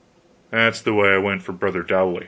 That is the way I went for brother Dowley.